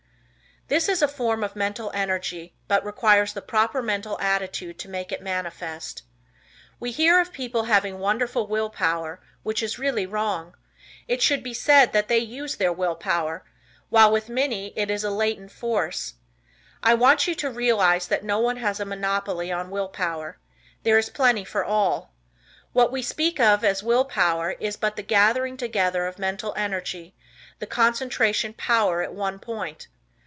This is a form of mental energy, but requires the proper mental attitude to make it manifest. We hear of people having wonderful will power, which really is wrong. It should be said that they use their will power while with many it is a latent force. I want you to realize that no one has a monopoly on will power. There is plenty for all. What we speak of as will power is but the gathering together of mental energy, the concentration power at one point.